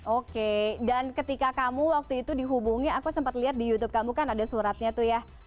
oke dan ketika kamu waktu itu dihubungi aku sempat lihat di youtube kamu kan ada suratnya tuh ya